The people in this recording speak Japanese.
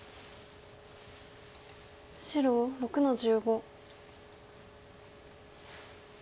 白６の十五。